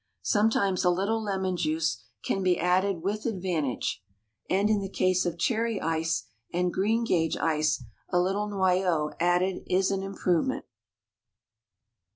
Sometimes a little lemon juice can be added with advantage, and in the case of cherry ice and greengage ice a little noyeau added is an improvement.